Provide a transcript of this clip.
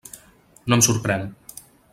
No em sorprèn.